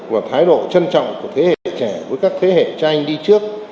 và thái độ trân trọng của thế hệ trẻ với các thế hệ trai đi trước